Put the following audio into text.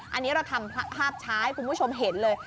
อันนี้เราทำภาพช้าให้คุณผู้ชมเห็นเลย